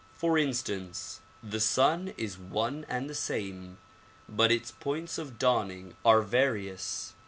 For instance, the sun is one and the same but its points of dawning are various.